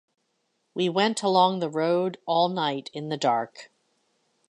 We went along the road all night in the dark.